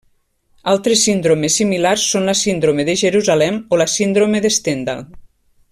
Altres síndromes similars són la síndrome de Jerusalem o la síndrome de Stendhal.